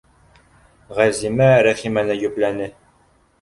Ғәзимә Рәхимәне йөпләне: